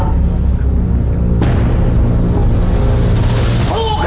ถูกมั้ยท่อง